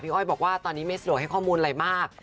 อ้อยบอกว่าตอนนี้ไม่สะดวกให้ข้อมูลอะไรมาก